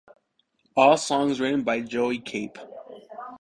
All songs written by Joey Cape.